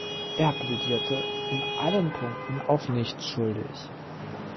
Er plädierte in allen Punkten auf „nicht schuldig“.